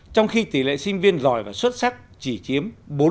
trong khi tỷ lệ sinh viên giỏi và xuất sắc chỉ chiếm bốn sáu mươi chín